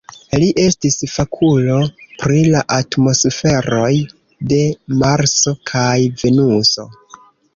Li estis fakulo pri la atmosferoj de Marso kaj Venuso.